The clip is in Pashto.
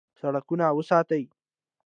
سړکونه وساتئ